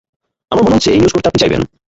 আমার মনে হচ্ছে এই নিউজ করতে আপনি চাইবেন।